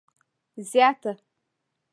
زیاته